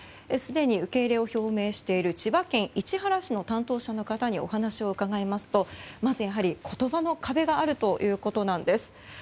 すでに受け入れを表明している千葉県市原市の担当者の方にお話を伺いますとまずやはり言葉の壁があるということです。